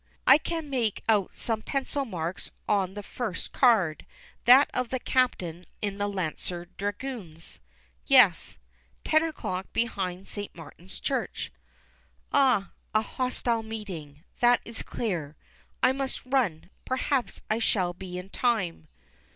I can make out some pencil marks on the first card, that of the Captain in the Lancer Dragoons. Yes. "Ten o'clock, behind St. Martin's Church." Ah, a hostile meeting, that is clear. I must run, perhaps I shall be in time.